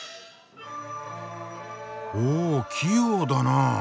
おお器用だなあ。